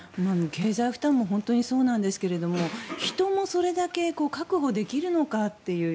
経済負担もそうですが人もそれだけ確保できるのかという。